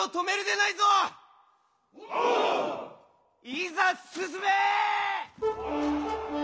いざ進め！